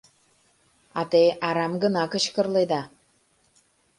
А те арам гына кычкырледа.